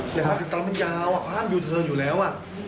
หลาย๕๐ตันมันยาวอ้าวอยู่เทอร์อยู่แล้ว